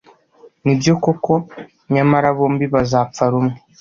ni byo koko, nyamara bombi bazapfa rumwe